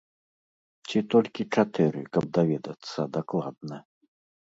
Ці толькі чатыры, каб даведацца дакладна?